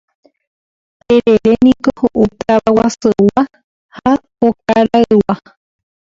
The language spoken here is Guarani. Tereréniko ho'u tavaguasuygua ha okaraygua.